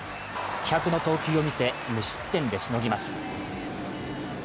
気迫の投球を見せ、無失点でしのぎます。